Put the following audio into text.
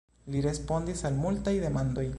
Li respondis al multaj demandoj.